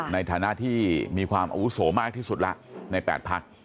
ในฐานะที่มีความอาวุโสมากที่สุดแล้วใน๘พัก